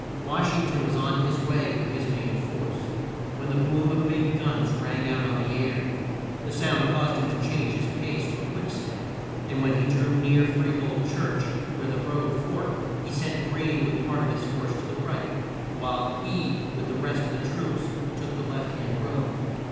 Wash ing ton was on his way with his main force, when the boom of big guns rang out on the air. The sound caused him to change his pace to a quick step, and when he drew near Free hold church, where the road forked, he sent Greene with part of his force to the right, while he with the rest of the troops took the left hand road.